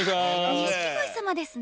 錦鯉様ですね。